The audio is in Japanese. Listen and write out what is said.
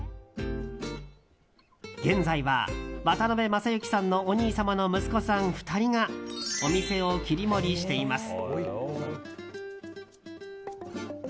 現在は、渡辺正行さんのお兄様の息子さん２人がお店を切り盛りしています。